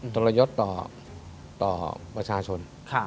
ทรยศต่อประชาชน